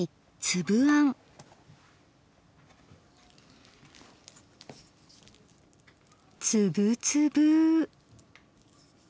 つぶつぶ！